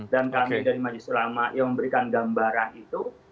dan kami dari maju sulama yang memberikan gambaran itu